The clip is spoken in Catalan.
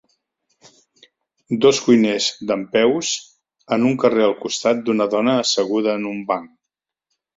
Dos cuiners dempeus en un carrer al costat d'una dona asseguda en un banc.